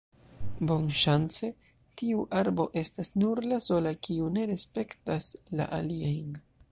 Bonŝance, tiu arbo estas nur la sola kiu ne respektas la aliajn.